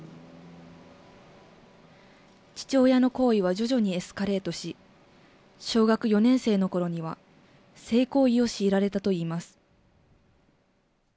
父親の行為は徐々にエスカレートし、小学４年生のころには性行為を強いられたといいます。